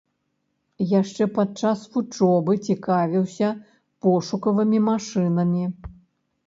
Яшчэ падчас вучобы цікавіўся пошукавымі машынамі.